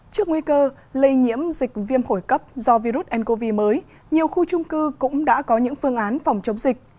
trước nguy cơ lây nhiễm dịch viêm phổi cấp do virus ncov mới nhiều khu trung cư cũng đã có những phương án phòng chống dịch